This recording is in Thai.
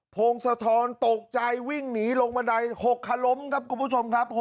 พงศธรตกใจวิ่งหนีลงบันได๖คันล้มครับคุณผู้ชมครับ